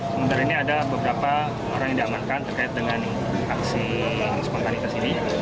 sementara ini ada beberapa orang yang diamankan terkait dengan aksi spontanitas ini